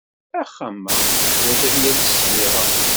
Axxam-a yeḥwaj ad yales ssbiɣa.